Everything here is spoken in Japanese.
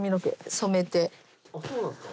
そうなんですか？